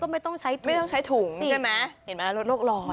ไม่ต้องใช้ถุงใช่ไหมเห็นไหมรถโรคร้อน